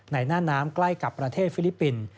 หน้าน้ำใกล้กับประเทศฟิลิปปินส์